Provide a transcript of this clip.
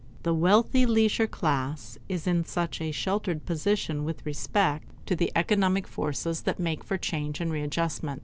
The wealthy leisure class is in such a sheltered position with respect to the economic forces that make for change and readjustment.